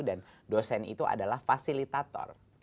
dan dosen itu adalah fasilitator